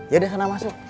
yaudah sana masuk